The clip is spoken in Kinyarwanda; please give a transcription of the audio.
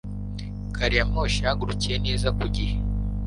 Gari ya moshi yahagurukiye neza ku gihe.